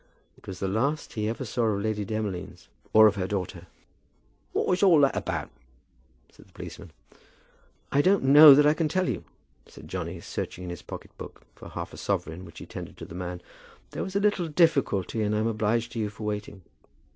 It was the last he ever saw of Lady Demolines or of her daughter. "What was it all about?" said the policeman. "I don't know that I can just tell you," said Johnny, searching in his pocket book for half a sovereign which he tendered to the man. "There was a little difficulty, and I'm obliged to you for waiting."